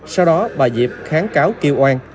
sau đó bà diệp kháng cáo kêu oan